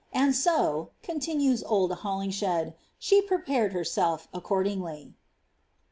And so," continues old Holingshed, ^ she prepared herself accordingly."